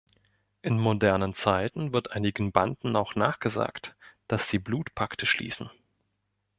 In modernen Zeiten wird einigen Banden auch nachgesagt, dass sie Blutpakte schließen.